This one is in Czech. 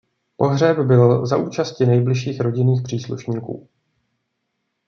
Pohřeb byl za účasti nejbližších rodinných příslušníků.